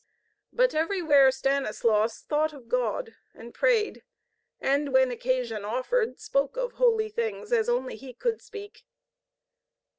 But everywhere Stanislaus thought of God, and prayed, and when occasion offered spoke of holy things as only he could speak.